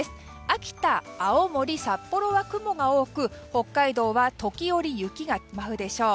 秋田、青森、札幌は雲が多く北海道は時折、雪が舞うでしょう。